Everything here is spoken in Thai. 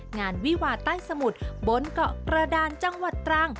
งานวิวาใต้สมุทรบนเกาะกระดานจังหวัดตรัง